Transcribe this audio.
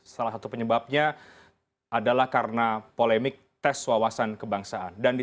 salah satu penyebabnya adalah karena polemik tes wawasan kebangsaan